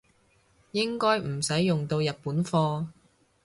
應該唔使用到日本貨